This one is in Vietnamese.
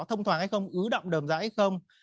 thông thoáng hay không ứ động đầm rãi hay không